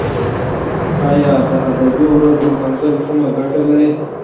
ایا د ادبي ورځو لمانځل کومه ګټه لري؟